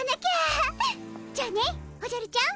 じゃあねおじゃるちゃん。